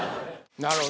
なるほど。